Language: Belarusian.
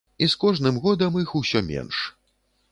І з кожным годам іх усё менш.